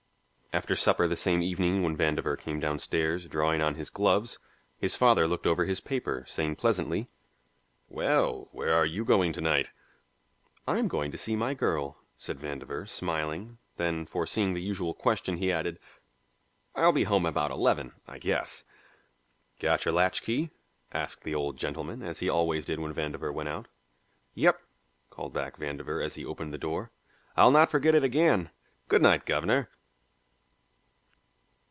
After supper the same evening when Vandover came downstairs, drawing on his gloves, his father looked over his paper, saying pleasantly: "Well, where are you going to night?" "I'm going to see my girl," said Vandover, smiling; then foreseeing the usual question, he added, "I'll be home about eleven, I guess." "Got your latch key?" asked the Old Gentleman, as he always did when Vandover went out. "Yep," called back Vandover as he opened the door. "I'll not forget it again. Good night, governor."